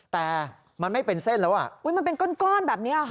แต่มันไม่เป็นเส้นแล้วอ่ะอุ้ยมันเป็นก้อนแบบนี้ค่ะ